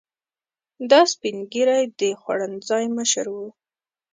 دا سپین ږیری د خوړنځای مشر و.